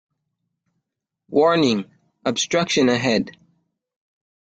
Warning! Obstruction ahead.